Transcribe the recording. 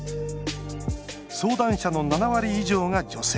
相談者の７割以上が女性。